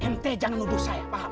mt jangan nuduh saya paham